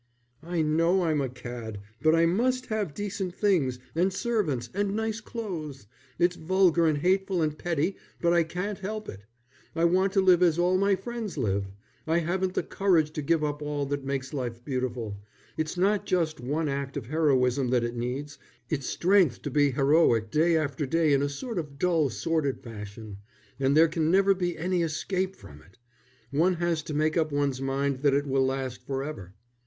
"I know I'm a cad, but I must have decent things, and servants, and nice clothes. It's vulgar and hateful and petty, but I can't help it. I want to live as all my friends live. I haven't the courage to give up all that makes life beautiful. It's not just one act of heroism that it needs; it's strength to be heroic day after day in a sort of dull, sordid fashion. And there can never be any escape from it; one has to make up one's mind that it will last for ever.